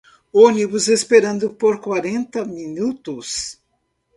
Ônibus esperando por quarenta minutos